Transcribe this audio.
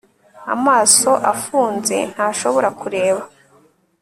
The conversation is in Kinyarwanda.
Amaso afunze ntashobora kureba